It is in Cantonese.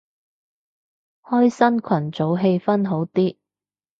開新群組氣氛好啲